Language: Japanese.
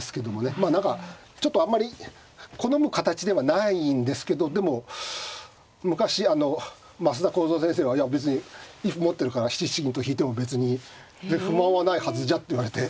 まあ何かちょっとあんまり好む形ではないんですけどでも昔あの升田幸三先生はいや別に一歩持ってるから７七銀と引いても別に不満はないはずじゃって言われて。